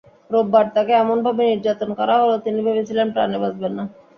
রোববার তাঁকে এমনভাবে নির্যাতন করা হলো, তিনি ভেবেছিলেন প্রাণে বাঁচবেন না।